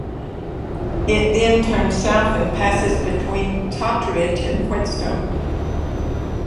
It then turns south and passes between Totteridge and Whetstone.